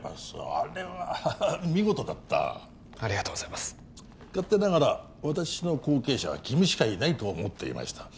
あれはハハ見事だったありがとうございます勝手ながら私の後継者は君しかいないと思っていました